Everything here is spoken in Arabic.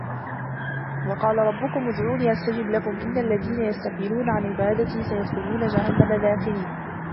وَقالَ رَبُّكُمُ ادعوني أَستَجِب لَكُم إِنَّ الَّذينَ يَستَكبِرونَ عَن عِبادَتي سَيَدخُلونَ جَهَنَّمَ داخِرينَ